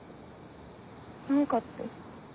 何かって。